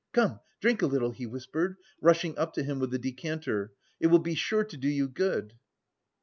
"Come, drink a little," he whispered, rushing up to him with the decanter. "It will be sure to do you good."